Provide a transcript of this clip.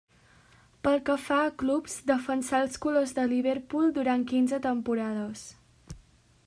Pel que fa a clubs, defensà els colors de Liverpool durant quinze temporades.